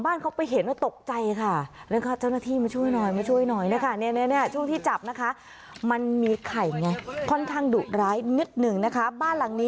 คุณเป็นห่วงงูเป็นห่วงอะไรครับ